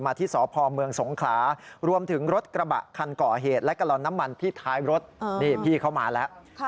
มาที่สพเมืองสงขลา